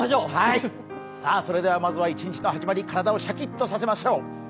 まずは一日の始まり、体をシャキッとさせましょう。